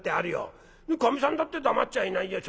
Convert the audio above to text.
かみさんだって黙っちゃいないよ。